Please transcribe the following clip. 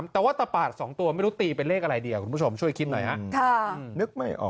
แต่ว่าตะปาดสองตัวไม่รู้ตีเป็นเลขอะไรดีอ่ะคุณผู้ชมช่วยคิดหน่อยนะ